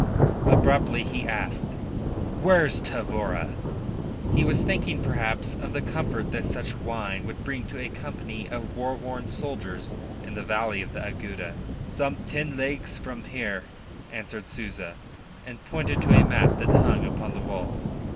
Abruptly he asked: "Where's Tavora?" He was thinking perhaps of the comfort that such wine would bring to a company of war worn soldiers in the valley of the Agueda. "Some ten leagues from here," answered Souza, and pointed to a map that hung upon the wall.